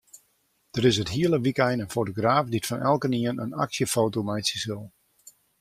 Der is it hiele wykein in fotograaf dy't fan elkenien in aksjefoto meitsje sil.